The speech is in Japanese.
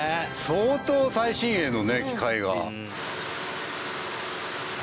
相当最新鋭の機械が。